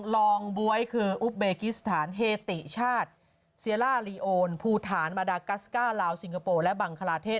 รองบ๊วยคืออุปเบกิสถานเฮติชาติเซียล่าลีโอนภูฐานมาดากัสก้าลาวสิงคโปร์และบังคลาเทศ